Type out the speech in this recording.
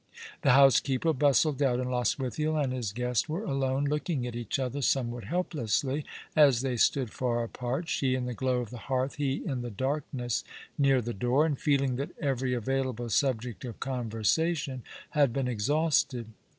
The housekeeper bustled out, and Lostwithiel and his guest were alone, looking at each other somewhat helplessly, as they stood far apart, she in the glow of the hearth, he in the darkness near the door, and feeling that every available subject of conversation had been exhausted.